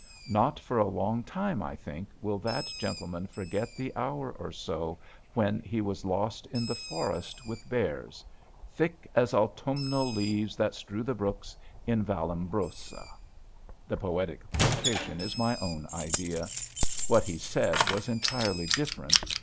Not for a long time, I think, will that gentleman forget the hour or so when he was lost in the forest, with bears "Thick as autumnal leaves that strew the brooks, In Vallombrosa." The poetic quotation is my own idea. What he said was entirely different.